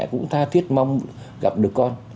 cũng tha thiết mong gặp được con